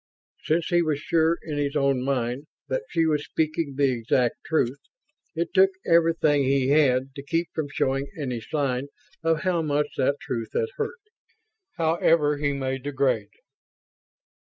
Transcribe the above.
Since he was sure, in his own mind, that she was speaking the exact truth, it took everything he had to keep from showing any sign of how much that truth had hurt. However, he made the grade.